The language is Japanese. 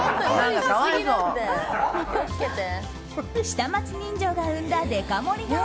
下町人情が生んだデカ盛り丼